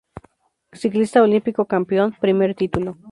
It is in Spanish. Ciclista OlímpicoCampeón"Primer título"